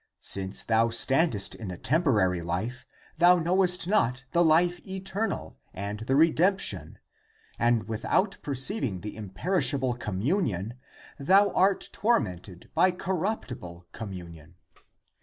Since thou standest in the tem porary life, thou knowest not the life eternal and the redemption, and without perceiving the imperish able communion <thou art tormented by corrupti ble communion